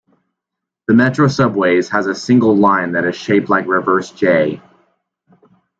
The Metro Subway's has a single line that is shaped like a reverse "J".